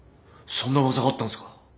そんな噂があったんですか？